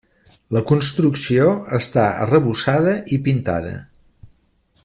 La construcció està arrebossada i pintada.